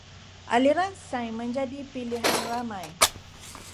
Aliran Sains menjadi pilihan ramai.